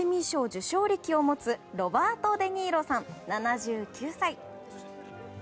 受賞歴を持つロバート・デ・ニーロさん７９歳。